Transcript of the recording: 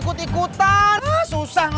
hur sudah sederhana